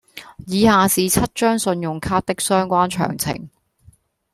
以下是七張信用卡的相關詳情